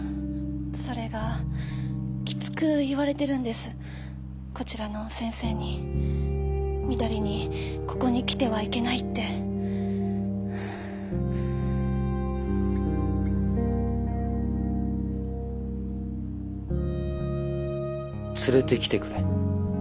それがきつく言われてるんですこちらの先生に。みだりにここに来てはいけないって。連れてきてくれ。